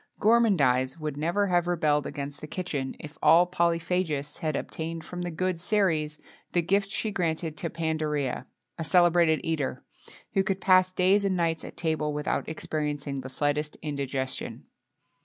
Gourmandise would never have rebelled against the kitchen if all polyphagists had obtained from the good Ceres the gift she granted to Pandarea a celebrated eater, who could pass days and nights at table, without experiencing the slightest indigestion.